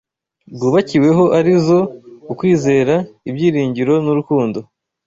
bwubakiweho ari zo: ukwizera, ibyiringiro n’urukundo;